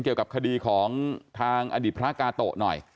เกี่ยวกับคดีของทางอดีตพระกาโตะหน่อย